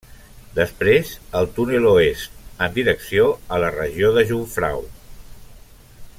Després el túnel oest, en direcció a la regió de Jungfrau.